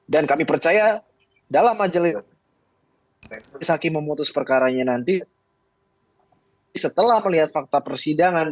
dan kami percaya dalam majelis hakim memutus perkaranya nanti setelah melihat fakta persidangan